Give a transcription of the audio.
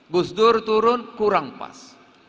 gus dur turun kurang pas